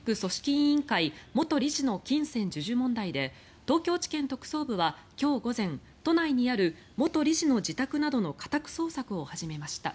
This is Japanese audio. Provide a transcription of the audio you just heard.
委員会元理事の金銭授受問題で東京地検特捜部は今日午前都内にある元理事の自宅などの家宅捜索を始めました。